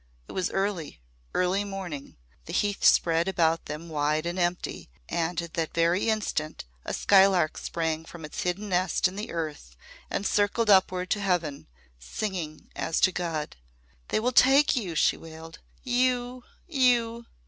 It was early early morning the heath spread about them wide and empty, and at that very instant a skylark sprang from its hidden nest in the earth and circled upward to heaven singing as to God. "They will take you!" she wailed. "_You you!